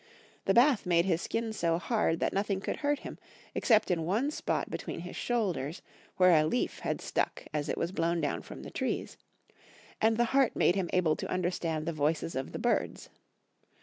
The bath made his skin so hard that nothing could hurt him, except in one spot between his shoulders, where a leaf had stuck as it was blown down from the trees ; and the heart made him able to miderstand the voices of the birds.